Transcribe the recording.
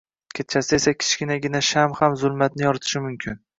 Kechasi esa kichkinagina sham ham zulmatni yoritishi mumkin.